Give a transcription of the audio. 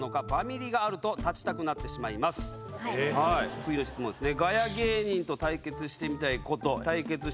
次の質問ですね。